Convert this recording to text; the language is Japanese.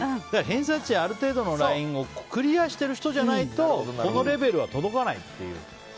偏差値、ある程度のラインをクリアしている人じゃないとこのレベルは届かないっていう。